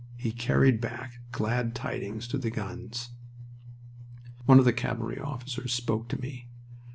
He carried back glad tidings to the guns. One of the cavalry officers spoke to me.